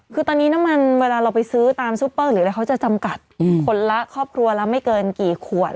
คือเมื่อเราไปซื้อน้ำมันต้องตรงที่ซุปเปิ้ลครับหรือต้องจำกัดทั้งคนละครอบครัวละไม่เกินกี่ขวด